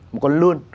một con lươn